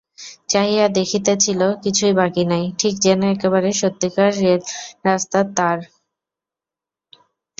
চাহিয়া দেখিতেছিল, কিছুই বাকি নাই, ঠিক যেন একবারে সত্যিকার রেলরাস্তার তার।